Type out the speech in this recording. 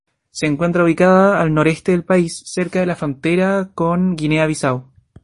Se encuentra ubicada al noroeste del país, cerca de la frontera con Guinea-Bisáu.